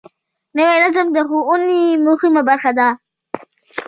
نوی نظم د ښوونې مهمه برخه ده